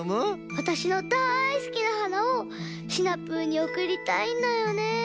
わたしのだいすきなはなをシナプーにおくりたいんだよね。